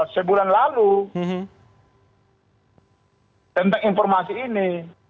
sebulan lalu tentang informasi ini